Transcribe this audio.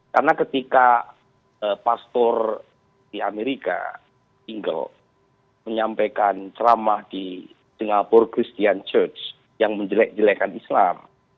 karena ketika pastor di amerika tinggal menyampaikan ceramah di singapura christian church yang menjelek jelekan islam